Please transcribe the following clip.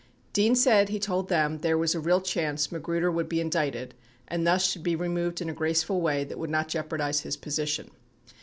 Dean said he told them there was a real chance Magruder would be indicted and thus should be removed in a graceful way that would not jeopardize his position.